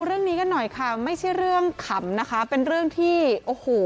เรื่องนี้กันหน่อยค่ะไม่ใช่เรื่องขำนะคะเป็นเรื่องที่โอ้โห